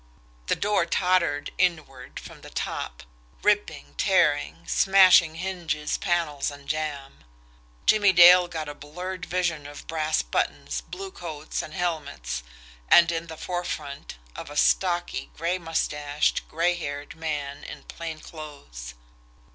The door tottered inward from the top, ripping, tearing, smashing hinges, panels, and jamb. Jimmie Dale got a blurred vision of brass buttons, blue coats, and helmets, and, in the forefront, of a stocky, gray mustached, gray haired man in plain clothes.